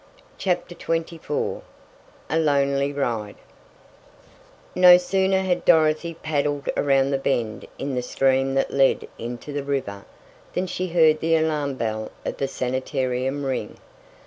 CHAPTER XXIV A LONELY RIDE No sooner had Dorothy paddled around the bend in the stream that led into the river, than she heard the alarm bell of the sanitarium ring.